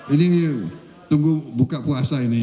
ini tunggu buka puasa ini